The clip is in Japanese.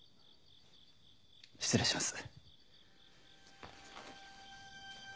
失礼します。